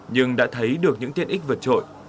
nhưng đã thấy được những tiện ích vượt trội